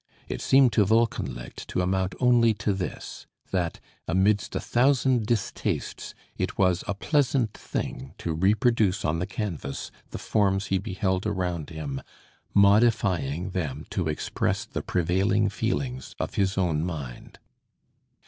It seemed to Wolkenlicht to amount only to this: that, amidst a thousand distastes, it was a pleasant thing to reproduce on the canvas the forms he beheld around him, modifying them to express the prevailing feelings of his own mind.